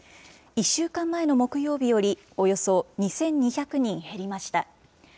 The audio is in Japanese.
１週間前の木曜日より、およそ２２００人減りました。